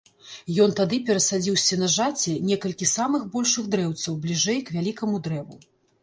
Ён тады перасадзіў з сенажаці некалькі самых большых дрэўцаў бліжэй к вялікаму дрэву.